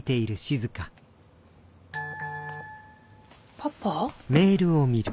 パパ？